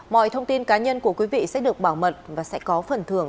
mọi thông tin cá nhân của quý vị sẽ được bảo mật và sẽ có phần thưởng